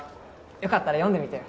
よかったら読んでみてよ。